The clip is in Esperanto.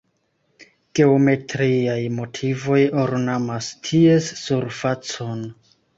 Geometriaj motivoj ornamas ties surfacon.